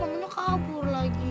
mamanya kabur lagi